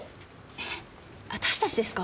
え私たちですか？